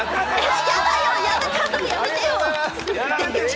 やめてよ！